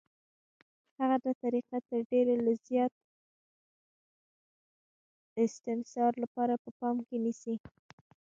هغه دا طریقه تر ډېره د لا زیات استثمار لپاره په پام کې نیسي